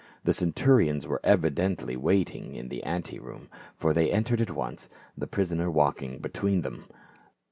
The centurions were evidently waiting in the ante room, for they entered at once, the prisoner walking between thcni.